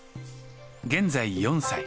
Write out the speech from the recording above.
現在４歳。